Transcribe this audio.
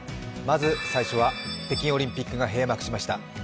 まず、最初は北京オリンピックが閉幕しました。